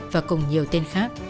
và cùng nhiều tên khác